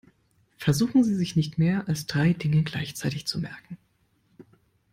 Versuchen Sie sich nicht mehr als drei Dinge gleichzeitig zu merken.